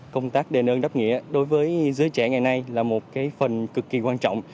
công tác đề nơn đáp nghĩa đối với giới trẻ ngày nay là một phần cực kỳ quan trọng